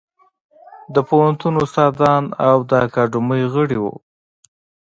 د پوهنتون استادان او د اکاډمۍ غړي وو.